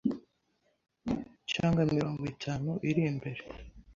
cyangwa mirongo itanu iri imbere,